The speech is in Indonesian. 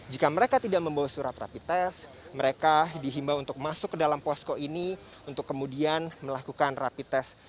jika mereka tidak membawa surat rapi tes mereka dihimbau untuk masuk ke dalam posko ini untuk kemudian melakukan rapi tes